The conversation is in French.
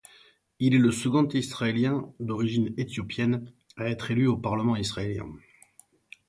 Il est le second Israélien d'origine éthiopienne à être élu au parlement israélien.